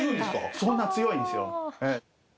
そんな強いんですよ。